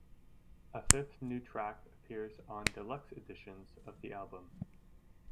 A fifth new track appears on deluxe editions of the album.